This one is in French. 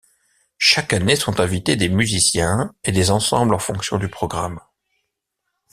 Chaque année sont invités des musiciens et des ensembles en fonction du programme.